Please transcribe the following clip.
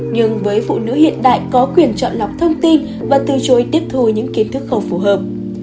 nhưng với phụ nữ hiện đại có quyền chọn lọc thông tin và từ chối tiếp thu những kiến thức không phù hợp